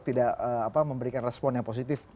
tidak memberikan respon yang positif